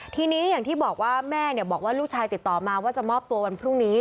ทีนี้อย่างที่บอกว่าแม่บอกว่าลูกชายติดต่อมาว่าจะมอบตัววันพรุ่งนี้